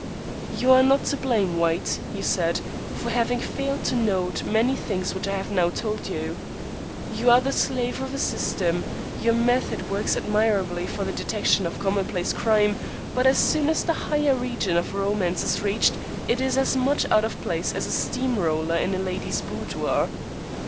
"You are not to blame, White," he said, "for having failed to note many things which I have now told you. You are the slave of a system. Your method works admirably for the detection of commonplace crime, but as soon as the higher region of romance is reached it is as much out of place as a steam roller in a lady's boudoir.